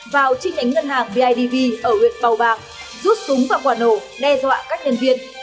vào chi nhánh ngân hàng bidv ở huyện bào bàng rút súng vào quản hộ đe dọa các nhân viên